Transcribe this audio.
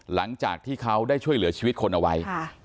หลังจากที่เขาได้ช่วยเหลือชีวิตคนเอาไว้